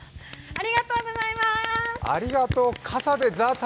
ありがとうございます。